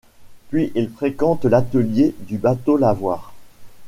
Puis il fréquente l'Atelier du Bateau-Lavoir.